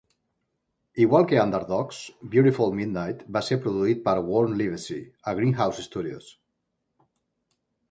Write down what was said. Igual que "Underdogs", "Beautiful Midnight" va ser produït per Warne Livesey a Greenhouse Studios.